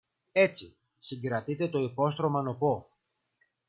Έτσι, συγκρατείται το υπόστρωμα νωπό.